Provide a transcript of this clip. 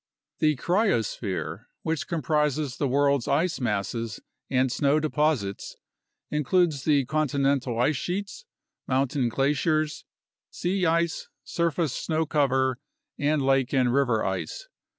The cryosphere, w '^h comprises the world's ice masses and snow deposits, includes the continental ice sheets, mountain glaciers, sea ice, surface snow cover, and lake and river ice.